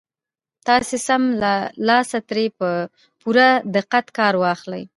تاسې سم له لاسه ترې په پوره دقت کار واخلئ.